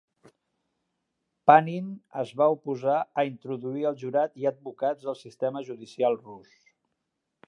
Panin es va oposar a introduir el jurat i advocats al sistema judicial rus.